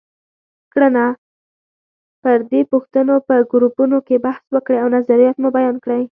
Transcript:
کړنه: پر دې پوښتنو په ګروپونو کې بحث وکړئ او نظریات مو بیان کړئ.